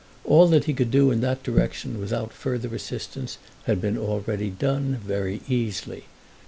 All that he could do in that direction without further assistance had been already done very easily.